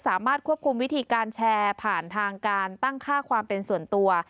สามารถควบคุมวิธีการแชร์ผ่านทางการตั้งค่าความเป็นส่วนตัว